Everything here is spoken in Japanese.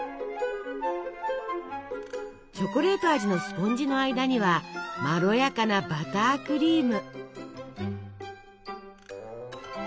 チョコレート味のスポンジの間にはまろやかなバタークリーム。